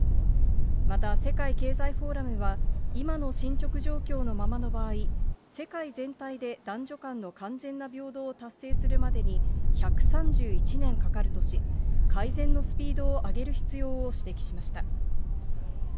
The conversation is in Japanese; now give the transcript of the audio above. また、世界経済フォーラムは、今の進捗状況のままの場合、世界全体で男女間の完全な平等を達成するまでに１３１年かかるとし、改善のスピードを上げる必要を指摘しました。